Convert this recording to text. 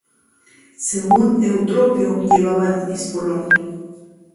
Según Eutropio llevaban espolón.